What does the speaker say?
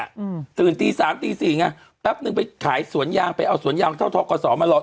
อืมตื่นตีสามตีสี่ไงแป๊บนึงไปขายสวนยางไปเอาสวนยางเท่าท้อกศมารอ